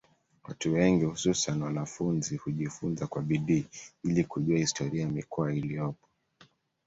Watu wengi hususani wanafunzi hujifunza kwa bidii ili kujua historia ya mikoa iliyopo